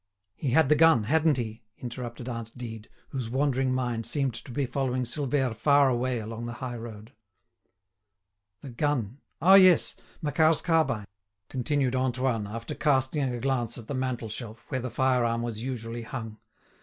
"He had the gun, hadn't he?" interrupted aunt Dide, whose wandering mind seemed to be following Silvère far away along the high road. "The gun? Ah! yes; Macquart's carbine," continued Antoine, after casting a glance at the mantel shelf, where the fire arm was usually hung.